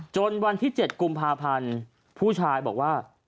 วันที่๗กุมภาพันธ์ผู้ชายบอกว่า